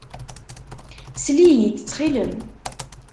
Sel-iyi-d, ttxil-m.